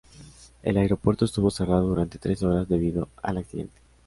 El aeropuerto estuvo cerrado durante tres horas debido al accidente.